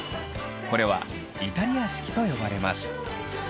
これはイタリア式と呼ばれます。